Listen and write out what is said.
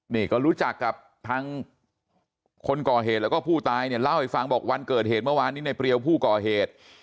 นี่ก็รู้จักกับทางคนก่อเหตุแล้วก็ผู้ตายเนี่ยเล่าให้ฟังบอกวันเกิดเหตุเมื่อวานนี้ในเปรียวผู้ก่อเหตุ